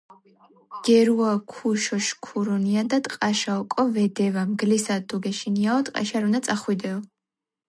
გერუა ქუგოშქურუნიადა ტყაშა ოკო ვედევა."მგლისა თუ გეშინიაო ტყეში არ უნდა წახვიდეო.